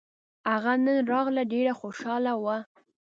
هغه نن راغله ډېره خوشحاله وه